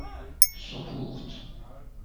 سپوخت